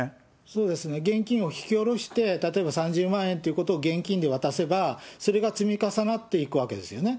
そうですね、現金を引き下ろして、例えば３０万円ということを現金で渡せば、それが積み重なっていくわけですよね。